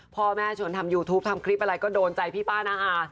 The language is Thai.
พ่อแม่ชวนทำยูทูปทำคลิปอะไรก็โดนใจพี่ป้าน้าอา